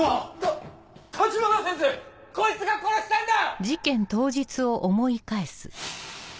こいつが殺したんだ！